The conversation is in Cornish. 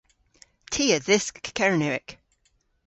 Ty a dhysk Kernewek.